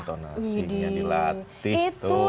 intonasinya dilatih tuh